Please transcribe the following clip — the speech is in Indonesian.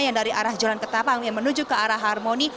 yang dari arah jalan ketapang yang menuju ke arah harmoni